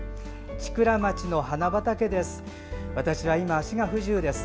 千倉町の花畑です。